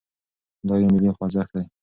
دا يو ملي خوځښت دی.